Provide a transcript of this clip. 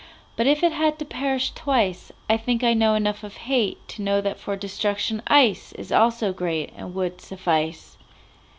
But if it had to perish twice,I think I know enough of hateTo know that for destruction iceIs also greatAnd would suffice.